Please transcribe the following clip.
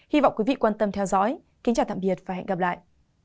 hy vọng quý vị quan tâm theo dõi kính chào tạm biệt và hẹn gặp lại